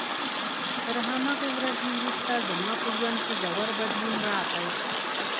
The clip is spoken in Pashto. تر همغې ورځې وروسته زما په ژوند کې ژور بدلون راغی.